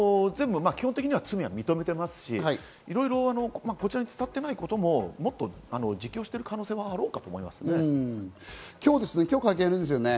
基本的に罪は認めていますし、こちらに伝わっていないことももっと自供している可能性もあろう今日ですね。